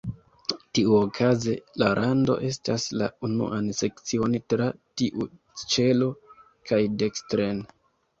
Tiuokaze, la rando etendas la unuan sekcion tra tiu ĉelo kaj dekstren.